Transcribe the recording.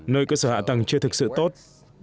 nơi cơ sở hạ tầng chưa thực sự tốt